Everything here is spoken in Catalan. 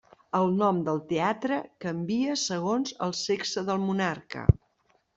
El nom del teatre canvia segons el sexe del monarca.